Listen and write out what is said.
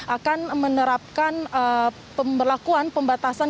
akan menerapkan pemperlakuan pembatasan